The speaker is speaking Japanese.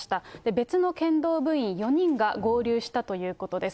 別の剣道部員４人が合流したということです。